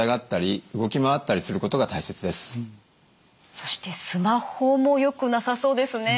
そしてスマホもよくなさそうですね。